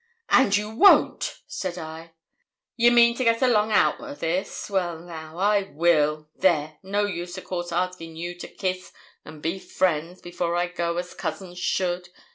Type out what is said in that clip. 'And you won't,' said I. 'Ye mean to get along out o' this? Well, now, I will. There! No use, of course, askin' you to kiss and be friends, before I go, as cousins should.